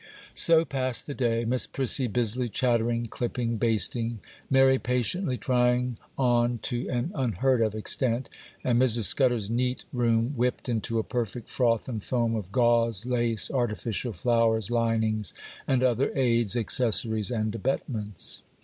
So passed the day,—Miss Prissy busily chattering, clipping, basting,—Mary patiently trying on to an unheard of extent,—and Mrs. Scudder's neat room whipped into a perfect froth and foam of gauze, lace, artificial flowers, linings, and other aids, accessories, and abetments.